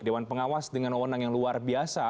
dewan pengawas dengan wawonang yang luar biasa